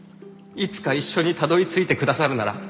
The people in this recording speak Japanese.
いつか一緒にたどりついてくださるなら。